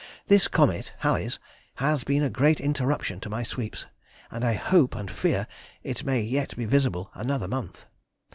This comet [Halley's] has been a great interruption to my sweeps, and I hope and fear it may yet be visible another month.